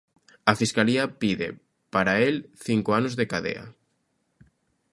A Fiscalía pide para el cinco anos de cadea.